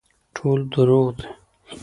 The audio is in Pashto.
ټول دروغ دي